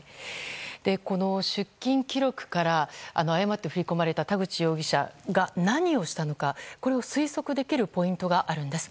この出金記録から誤って振り込まれた田口容疑者が何をしたのかこれを推測できるポイントがあるんです。